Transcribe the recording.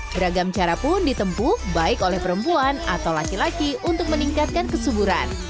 beragam cara pun ditempuh baik oleh perempuan atau laki laki untuk meningkatkan kesuburan